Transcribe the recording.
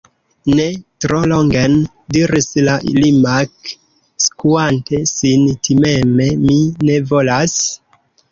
"Ne! Tro longen!" diris la limak', skuante sin timeme,"Mi ne volas."